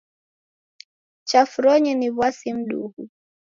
Chafronyi ni w'asi mduhu.